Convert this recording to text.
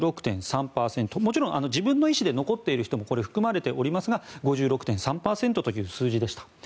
もちろん、自分の意思で残っている人も含まれていますが５６．３％という数字でした。